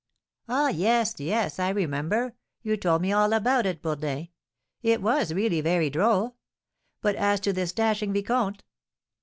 "Ah, yes, yes, I remember; you told me all about it, Bourdin, it was really very droll! But as to this dashing vicomte?"